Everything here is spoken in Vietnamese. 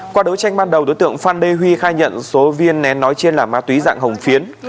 qua đấu tranh ban đầu đối tượng phan đề huy khai nhận số viên nén nói trên là ma túy dạng hồng phiến